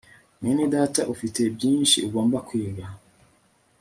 Mwenedata ufite byinshi ugomba kwiga